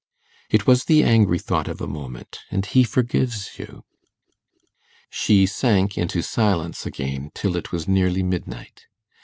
It was the angry thought of a moment, and He forgives you.' She sank into silence again till it was nearly midnight.